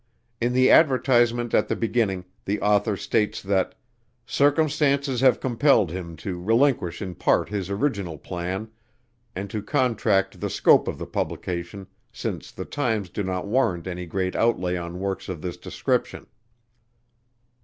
In the advertisement at the beginning, the author states that "circumstances have compelled him to relinquish in part his original plan, and to contract the scope of the publication, since the times do not warrant any great outlay on works of this description."